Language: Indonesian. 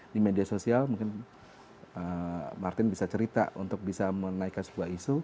di media sosial mungkin martin bisa cerita untuk bisa menaikkan sebuah isu